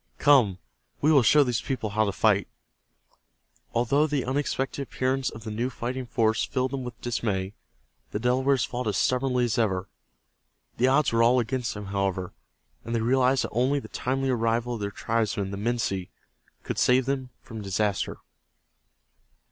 "Come, we will show these people how to fight!" Although the unexpected appearance of the new fighting force filled them with dismay, the Delawares fought as stubbornly as ever. The odds were all against them, however, and they realized that only the timely arrival of their tribesmen, the Minsi, could save them from disaster.